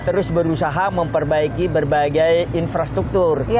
terus berusaha memperbaiki berbagai infrastruktur